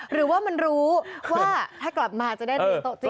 หรือว่ามันรู้ว่าถ้ากลับมาจะได้เรียนโต๊ะจีน